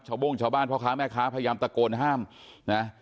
โบ้งชาวบ้านพ่อค้าแม่ค้าพยายามตะโกนห้ามนะ